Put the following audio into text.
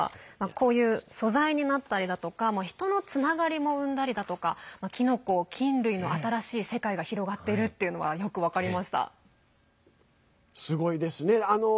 こういう素材になったりだとか人のつながりも生んだりだとかキノコ、菌類の新しい世界が広がっているっていうのはすごいですね。